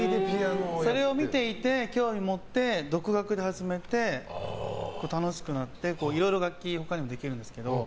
それを見ていて、興味持って独学で初めて、楽しくなっていろいろ楽器は他にもできるんですけど。